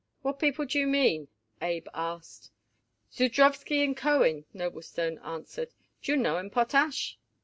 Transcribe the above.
"What people do you mean?" Abe asked. "Zudrowsky & Cohen," Noblestone answered. "Do you know 'em, Potash?"